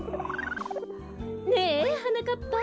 ねえはなかっぱ。